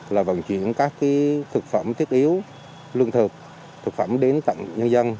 là vận chuyển các thực phẩm thiết yếu lương thực thực phẩm đến tận nhân dân